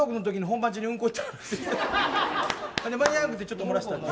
間に合わなくてちょっと漏らしたんです。